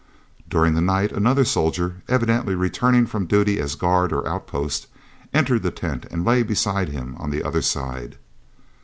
During the night another soldier, evidently returning from duty as guard or outpost, entered the tent and lay beside him on the other side.